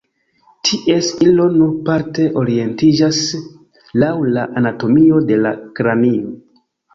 Ties iro nur parte orientiĝas laŭ la anatomio de la kranio.